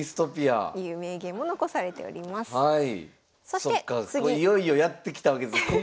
そっかいよいよやって来たわけですね。